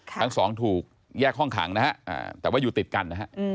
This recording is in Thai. ทั้งสองถูกแยกห้องขังนะฮะแต่ว่าอยู่ติดกันนะฮะ